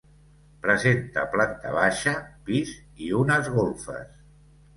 Presenta planta baixa, pis, i unes golfes.